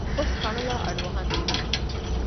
ގޮސް ކަނުލާ އަޑުއަހަން ތިވި